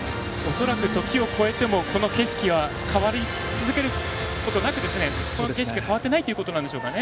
恐らく時を越えてもこの景色は変わり続けることなくこの景色が変わってないということなんでしょうね